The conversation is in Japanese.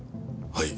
はい。